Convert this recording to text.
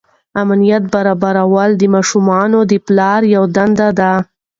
امنیت برابروي د ماشومانو د پلار یوه دنده ده.